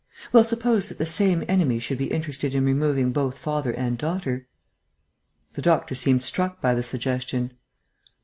"Well, suppose that the same enemy should be interested in removing both father and daughter." The doctor seemed struck by the suggestion.